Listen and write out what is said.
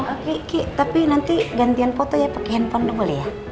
oke kiki tapi nanti gantian foto ya pake handphone boleh ya